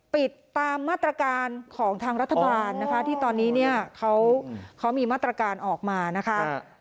ติดตามมาตรการของทางรัฐบาลนะคะที่ตอนนี้เนี่ยเขามีมาตรการออกมานะคะ